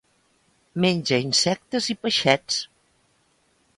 Menja insectes i peixets.